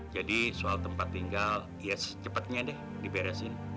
jadi soal tempat tinggal ya secepetnya deh diberesin